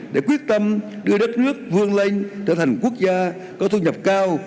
để quyết tâm đưa đất nước vương lên trở thành quốc gia có thu nhập cao